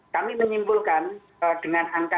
kami menyimpulkan dengan angka